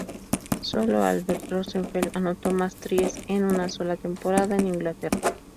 Solo Albert Rosenfeld anotó más tries en una sola temporada en Inglaterra.